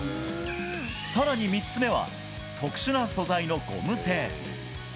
さらに３つ目は、特殊な素材のゴム製。